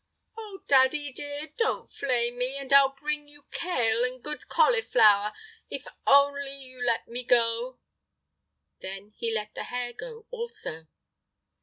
"Oh, daddy dear! Don't flay me, and I'll bring you kale and good cauliflower, if only you let me go!" Then he let the hare go also.